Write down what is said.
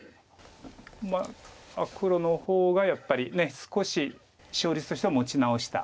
黒の方がやっぱり少し勝率としては持ち直した。